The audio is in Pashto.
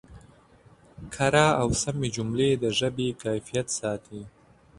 کره او سمې جملې د ژبې کیفیت ساتي.